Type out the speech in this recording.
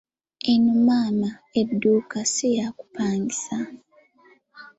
Eno maama edduuka si ya kupangisa.